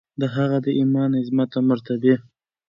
د هغه د ایمان، عظمت، مرتبې